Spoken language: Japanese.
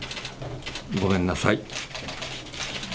ごめんなさい。